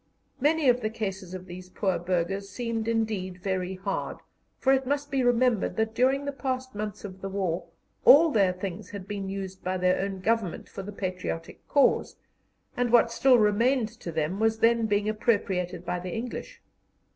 Many of the cases of these poor burghers seemed indeed very hard, for it must be remembered that during the past months of the war all their things had been used by their own Government for the patriotic cause, and what still remained to them was then being appropriated by the English.